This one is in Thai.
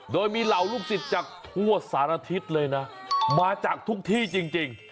โดยมีเหล่าลูกศิษย์จากทั่วสารทิศเลยนะมาจากทุกที่จริง